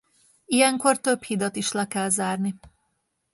Ilyenkor több hidat is le kell zárni.